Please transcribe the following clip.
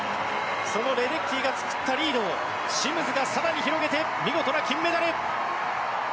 そのレデッキーが作ったリードをシムズが更に広げて見事な金メダル。